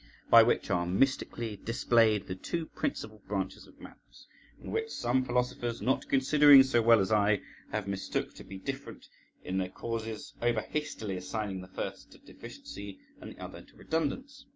By which are mystically displayed the two principal branches of madness, and which some philosophers, not considering so well as I, have mistook to be different in their causes, over hastily assigning the first to deficiency and the other to redundance.